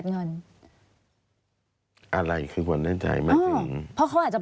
อะไรทำให้แน่ใจว่าวันที่เราเจอหน้าเขาคือวันที่เขาไปอายัด